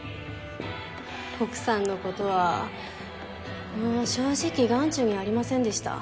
「奥さんのことは正直眼中にありませんでした。